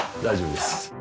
大丈夫です。